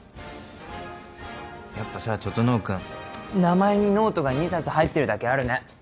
やっぱさ整君名前にノートが２冊入ってるだけあるね。